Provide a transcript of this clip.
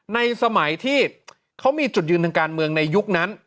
ในสมัยที่เขามีจุดยืนทางการเมืองในยุคนั้น